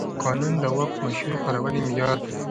قانون د واک د مشروع کارونې معیار دی.